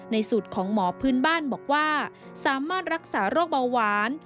สูตรของหมอพื้นบ้านบอกว่าสามารถรักษาโรคเบาหวาน